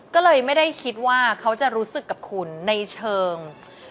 ก็เลยไม่ได้คิดว่าเขาจะรู้สึกกับคุณในเชิง